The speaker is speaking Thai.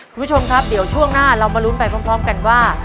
คุณผู้ชมครับเดี๋ยวช่วงหน้าเรามาลุ้นไปพร้อมกันว่า